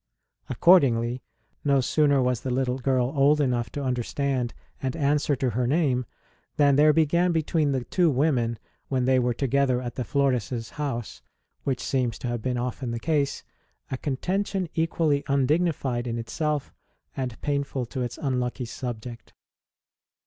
Accordingly, no sooner was the little girl old enough to under stand and answer to her name than there began between the two women, when they were together at the Florcs house which seems to have been often the case a contention equally undignified in itself and painful to its unlucky subject.